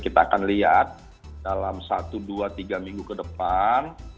kita akan lihat dalam satu dua tiga minggu ke depan